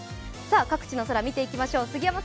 各地の空、見ていきましょう。